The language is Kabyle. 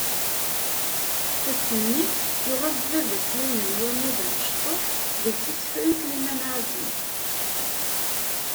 Ass nni, yuγ-as-d baba-s yiwen n wammud amecṭuḥ deg-s isefra n Sliman Azem.